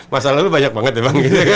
masalah lu banyak banget ya bang